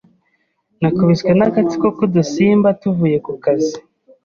Nakubiswe n'agatsiko k'udusimba tuvuye ku kazi.